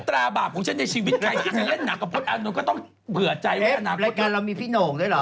เราก็ต้องเผื่อใจว่ารายการเรามีพี่โหน่งด้วยเหรอ